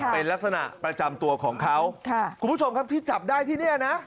เป็นลักษณะประจำตัวของเขาค่ะคุณผู้ชมครับที่จับได้ที่เนี่ยนะ